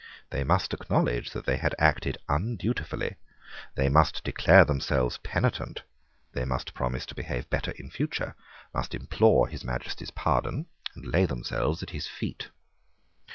They must acknowledge that they had acted undutifully; they must declare themselves penitent; they must promise to behave better in future, must implore His Majesty's pardon, and lay themselves at his feet.